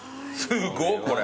すごこれ。